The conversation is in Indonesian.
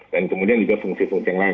dan kemudian juga fungsi fungsi yang lain